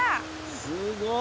すごい！